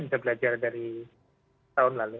kita sebenarnya bisa belajar dari tahun lalu